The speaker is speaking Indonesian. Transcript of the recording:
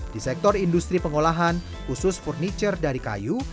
di sektor industri pengolahan khusus furniture dari kayu